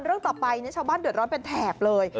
เรื่องต่อไปชาวบ้านเดือดร้อนเป็นแถบเลย